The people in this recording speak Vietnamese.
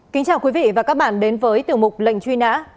kính chào quý vị và các bạn đến với tiểu mục lệnh truy nã